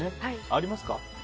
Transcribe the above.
ありますか？